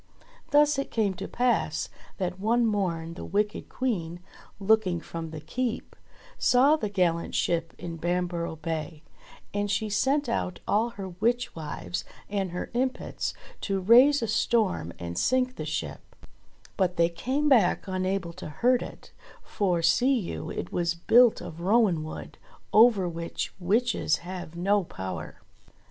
Thus it came to pass that one morn the wicked Queen, looking from the Keep, saw the gallant ship in Bamborough Bay, and she sent out all her witch wives and her impets to raise a storm, and sink the ship ; but they came back unable to hurt it, for, see you, it was built of rowan wood, over which witches have no power.